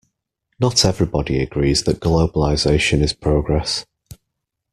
Not everybody agrees that globalisation is progress